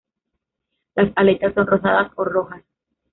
Las aletas son rosadas o rojas.